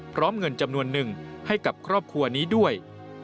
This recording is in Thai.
เงินจำนวนหนึ่งให้กับครอบครัวนี้ด้วย